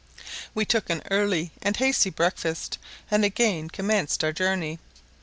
We took an early and hasty breakfast, and again commenced our journey.